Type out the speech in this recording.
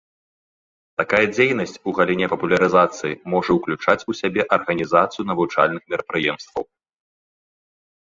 Такая дзейнасць у галіне папулярызацыі можа ўключаць у сябе арганізацыю навучальных мерапрыемстваў.